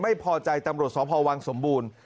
ไม่พอใจตำรวจสพวังสมบูรณ์